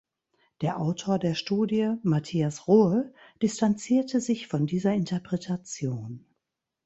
Der Autor der Studie, Mathias Rohe, distanzierte sich von dieser Interpretation.